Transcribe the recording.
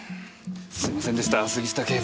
すいませんでした杉下警部。